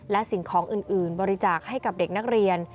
และสิ่งของอื่นบริจาคให้กับเด็กนักเรียน